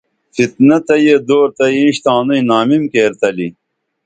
فتنہ تہ یہ دور تہ اینش تانوئی نامم کیر تلی